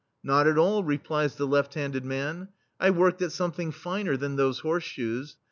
"Not at all,*' replies the left handed man. "I worked at something finer than those horse shoes.